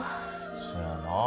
そやなあ。